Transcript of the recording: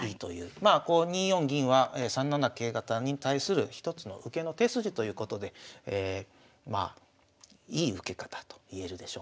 まあこう２四銀は３七桂型に対する一つの受けの手筋ということでいい受け方といえるでしょうね。